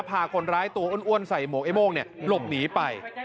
พาคนร้ายตัวอ้วนใส่หมวกไอ้โม่งหลบหนีไป